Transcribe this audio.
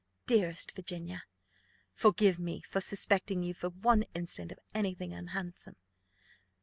"Dearest Virginia, forgive me for suspecting you for one instant of any thing unhandsome.